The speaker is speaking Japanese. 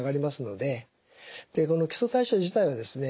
でこの基礎代謝自体はですね